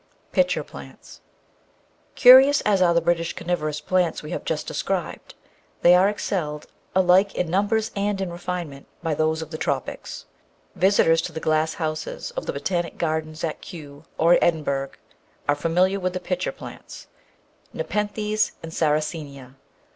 Pitcher Plants Curious as are the British carnivorous plants we have just described, they are excelled, alike in numbers and in refinement, by those of the Tropics. Visitors to the glass houses of the Botanic Gardens at Kew or Edinburgh are familiar with the pitcher plants, Nepenthes and Sarracenia.